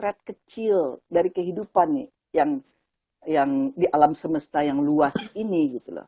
ketika kita melihat kecil dari kehidupan yang di alam semesta yang luas ini